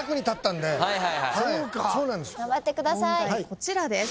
こちらです。